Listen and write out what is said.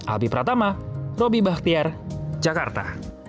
albi pratama robby bahtiar jakarta